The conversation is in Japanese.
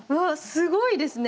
すごいですね。